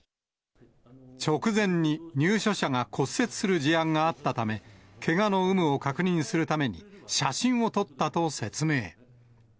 直前に入所者が骨折する事案があったため、けがの有無を確認するために、写真を撮ったと説明。